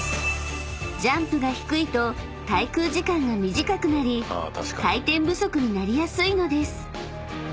［ジャンプが低いと滞空時間が短くなり回転不足になりやすいのです］